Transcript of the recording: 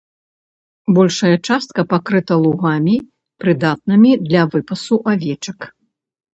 Большая частка пакрыта лугамі, прыдатнымі для выпасу авечак.